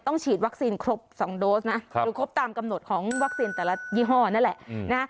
ฉีดวัคซีนครบ๒โดสนะดูครบตามกำหนดของวัคซีนแต่ละยี่ห้อนั่นแหละนะ